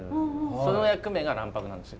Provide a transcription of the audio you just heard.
その役目が卵白なんです。